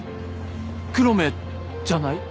黒目じゃない？